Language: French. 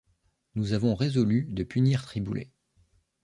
Nous avons résolu de punir Triboulet.